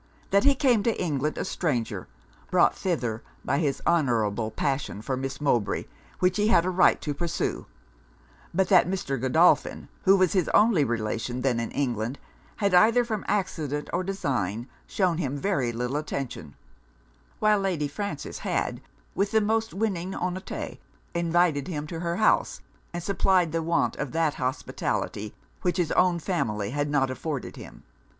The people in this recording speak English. That he came to England a stranger; brought thither by his honourable passion for Miss Mowbray, which he had a right to pursue; but that Mr. Godolphin, who was his only relation then in England, had either from accident or design shewn him very little attention; while Lady Frances had, with the most winning honeteté, invited him to her house, and supplied the want of that hospitality which his own family had not afforded him.